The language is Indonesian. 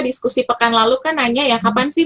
diskusi pekan lalu kan nanya ya kapan sih